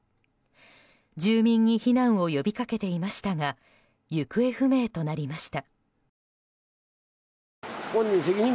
住民に避難を呼びかけていましたが行方不明となりました。